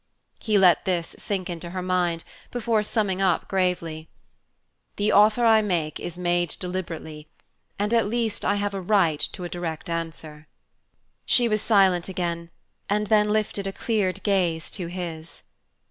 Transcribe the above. He let this sink into her mind before summing up gravely: "The offer I make is made deliberately, and at least I have a right to a direct answer." She was silent again, and then lifted a cleared gaze to his.